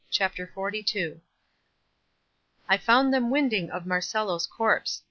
CHAPTER XLII I found them winding of Marcello's corpse.